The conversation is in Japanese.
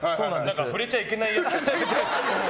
触れちゃいけないのかと。